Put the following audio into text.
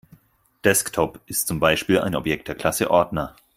Desktop ist zum Beispiel ein Objekt der Klasse Ordner.